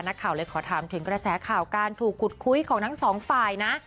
นักข่าวเลยขอถามถึงกระแสข่าวการถูกขุดคุยของทั้งสองฝ่ายนะ